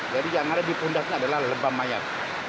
jadi yang ada di pundaknya adalah lebam mayat